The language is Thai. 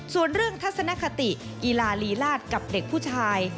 ส่วนเรื่องทัศนคติกีฬาลีลาศกับเด็กผู้ชาย